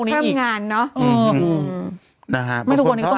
ครั้งนั้นเนอะ